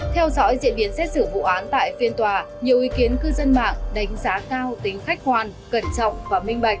theo dõi diễn biến xét xử vụ án tại phiên tòa nhiều ý kiến cư dân mạng đánh giá cao tính khách hoàn cẩn trọng và minh bạch